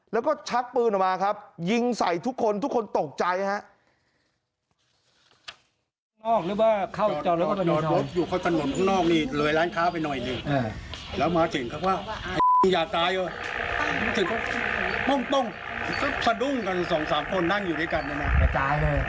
แล้วก็ชักปืนออกมาครับยิงใส่ทุกคนทุกคนตกใจครับ